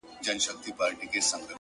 زه خو دا يم ژوندی يم!!